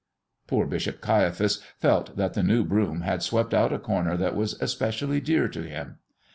Poor Bishop Caiaphas felt that the new broom had swept out a corner that was especially dear to him.